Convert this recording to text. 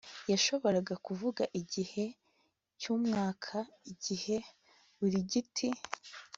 yashoboraga kuvuga igihe cyumwaka igihe buri giti